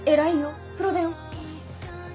プロだよ！